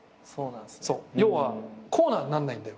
要はコーナーになんないんだよ。